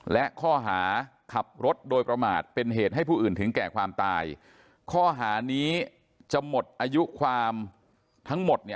และข้อหาขับรถโดยประมาทเป็นเหตุให้ผู้อื่นถึงแก่ความตายข้อหานี้จะหมดอายุความทั้งหมดเนี่ย